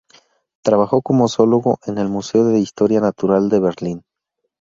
Trabajó como zoólogo en el "Museo de Historia Natural de Berlín".